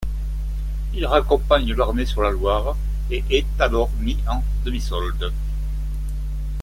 Il raccompagne l'armée sur la Loire et est alors mis en demi-solde.